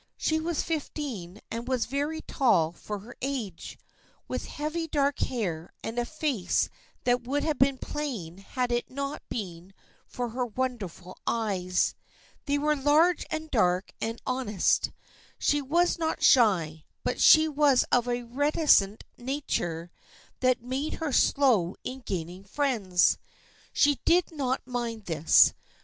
She was fifteen and was very tall for her age, with heavy dark hair and a face that would have been plain had it not been for her wonderful eyes. They were large and dark and honest. She was not shy, but she was of a reticent nature that made her slow in gaining friends. She did not mind this.